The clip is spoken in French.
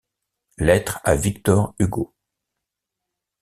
Lettre à Victor Hugo.